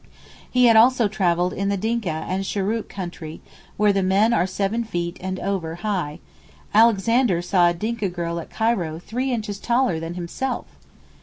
He had also travelled in the Dinka and Shurook country where the men are seven feet and over high (Alexander saw a Dinka girl at Cairo three inches taller than himself!).